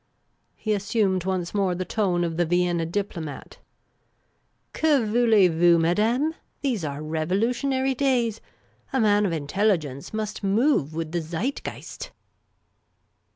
He assumed once more the tone of the Vienna diplomat. " Que voulcz voiis, madame ? These are revolutionary days. A man of intelligence must move with the Zeitgeist !